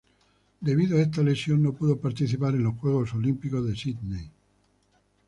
Debido a esta lesión no pudo participar en los Juegos Olímpicos de Sídney.